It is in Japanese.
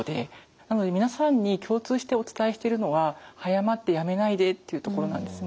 なので皆さんに共通してお伝えしてるのは「早まって辞めないで」っていうところなんですね。